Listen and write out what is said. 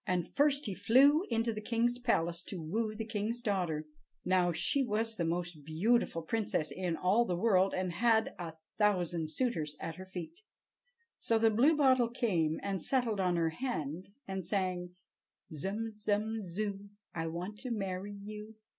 And first he flew into the king's palace to woo the king's daughter. Now, she was the most beautiful princess in all the world, and had a thousand suitors at her feet. So the Bluebottle came and settled on her hand, and sang: "Zum, zum, zoo, I want to marry you!"